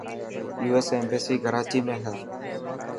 USA ايمبيسي ڪراچي ۾ هي .